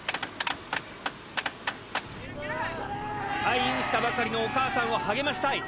退院したばかりのお母さんを励ましたい。